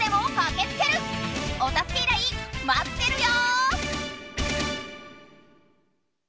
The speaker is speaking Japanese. おたすけ依頼まってるよ！